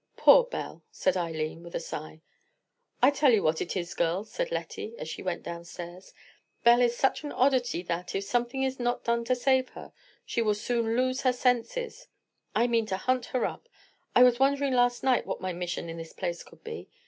"Poor Belle," said Eileen, with a sigh. "I tell you what it is, girls," said Lettie, as she went downstairs. "Belle is such an oddity that, if something is not done to save her, she will soon lose her senses. I mean to hunt her up. I was wondering last night what my mission in this place could be.